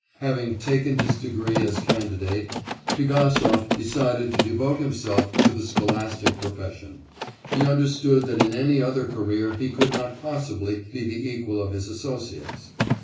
Having taken his degree as candidate, Pigasov decided to devote himself to the scholastic profession; he understood that in any other career he could not possibly be the equal of his associates.